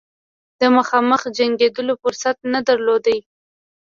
د مخامخ جنګېدلو فرصت نه درلود.